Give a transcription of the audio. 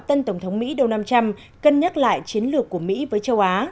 tân tổng thống mỹ đông nam trăm cân nhắc lại chiến lược của mỹ với châu á